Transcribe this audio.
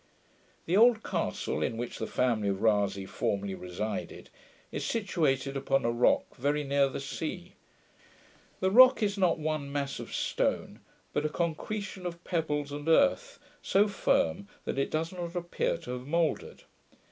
The old castle, in which the family of Rasay formerly resided, is situated upon a rock very near the sea: the rock is not one mass of stone, but a concretion of pebbles and earth, so firm that it does not appear to have mouldered.